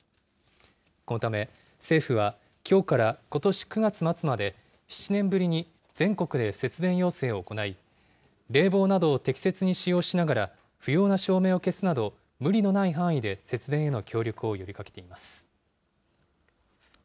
このため、政府はきょうからことし９月末まで、７年ぶりに全国で節電要請を行い、冷房などを適切に使用しながら、不要な照明を消すなど、無理のない範囲で節電への協力を呼びかけています。